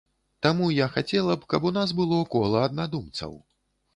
Таму я хацела б, каб у нас было кола аднадумцаў.